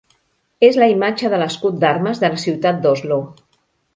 És la imatge de l'escut d'armes de la ciutat d'Oslo.